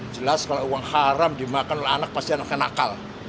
jelas kalau uang haram dimakan oleh anak pasti anaknya nakal